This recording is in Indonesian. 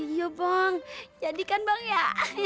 yuk bang jadikan bang ya